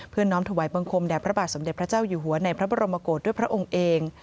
น้อมถวายบังคมแด่พระบาทสมเด็จพระเจ้าอยู่หัวในพระบรมกฏด้วยพระองค์เอง